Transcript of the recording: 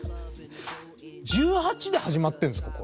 １８で始まってるんですか？